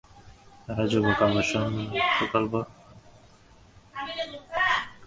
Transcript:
তাঁরা যুবক আবাসন প্রকল্প, সঞ্চয় প্রকল্পসহ বিভিন্ন প্রকল্পের নামে টাকা জমা করেন।